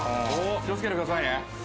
・気をつけてくださいね・